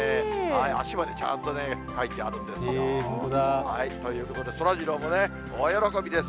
足までちゃんとね、描いてあるんですよ。ということで、そらジローも大喜びです。